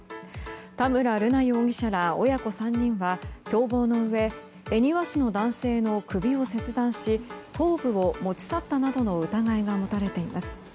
田村瑠奈容疑者ら親子３人は共謀のうえ恵庭市の男性の首を切断し頭部を持ち去ったなどの疑いが持たれています。